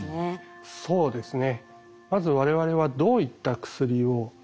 そうですね。